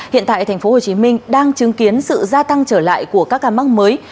hiện tại tp hcm đang chứng kiến sự gia tăng trở lại của các ca mắc mới